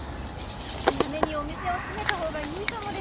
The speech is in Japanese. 早めにお店を閉めた方がいいかもです。